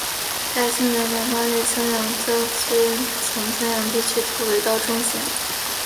嘉庆元年八月襄阳教军从襄阳地区突围到钟祥。